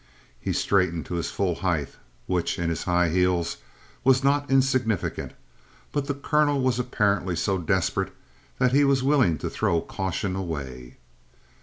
He straightened to his full height, which, in his high heels, was not insignificant. But the colonel was apparently so desperate that he was willing to throw caution away.